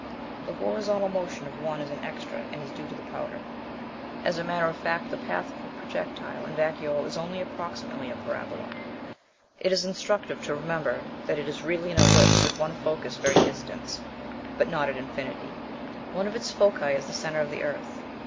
The horizontal motion of one is an extra, and is due to the powder. As a matter of fact the path of a projectile in vacuo is only approximately a parabola. It is instructive to remember that it is really an ellipse with one focus very distant, but not at infinity. One of its foci is the centre of the earth.